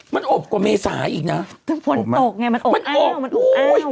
มันอบกว่าเมษายีกน่ะฝนตกไงมันอบอ้าวมันอบอ้าว